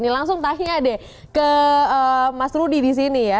ini langsung tanya deh ke mas rudy di sini ya